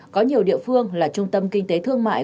có nhiều địa phương là trung tâm kinh tế thương mại